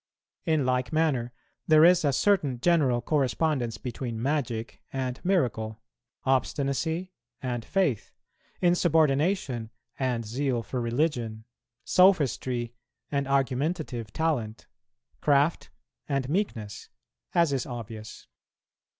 In like manner, there is a certain general correspondence between magic and miracle, obstinacy and faith, insubordination and zeal for religion, sophistry and argumentative talent, craft and meekness, as is obvious.